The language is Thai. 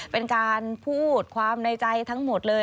เป็นการพูดความในใจทั้งหมดเลย